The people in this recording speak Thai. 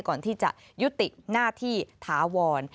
ก่อนที่จะยุติหน้าที่ถาวร